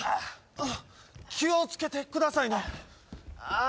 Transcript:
あっ気をつけてくださいねああ